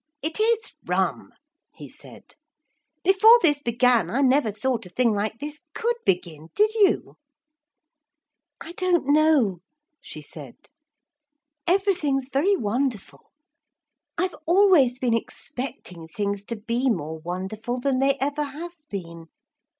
'It is rum,' he said; 'before this began I never thought a thing like this could begin, did you?' 'I don't know,' she said, 'everything's very wonderful. I've always been expecting things to be more wonderful than they ever have been.